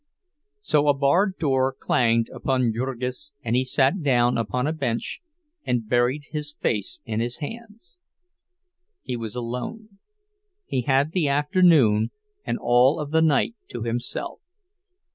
So a barred door clanged upon Jurgis and he sat down upon a bench and buried his face in his hands. He was alone; he had the afternoon and all of the night to himself.